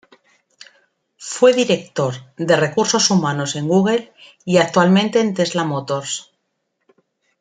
Fue director de Recursos Humanos en Google y actualmente en Tesla Motors.